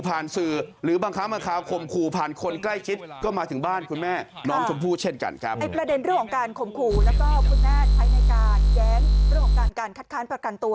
ประเด็นเรื่องของการข่มขู่และก็ผู้แนตในแย้งเรื่องของการคัดคั้นพอรับกันตัว